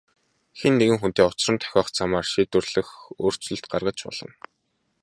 Хэн нэгэн хүнтэй учран тохиох замаар шийдвэрлэх өөрчлөлт гаргаж болно.